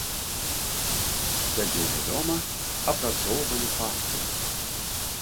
Сядзелі дома, апрацоўвалі партыі.